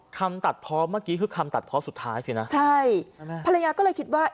คำตัดเพาะเมื่อกี้คือคำตัดเพาะสุดท้ายสินะใช่ภรรยาก็เลยคิดว่า